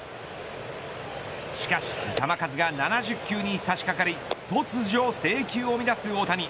しかし、球数が７０球にさしかかり突如制球を乱す大谷。